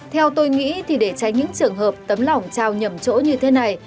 theo tôi nghĩ thì để tránh những trường hợp tấm lòng trao nhầm chỗ như thế này